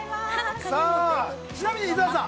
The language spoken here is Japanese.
ちなみに伊沢さん